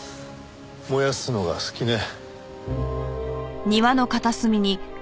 燃やすのが好きね。